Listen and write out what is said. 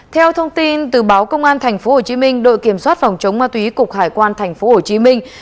theo thông tin từ báo công an tp hcm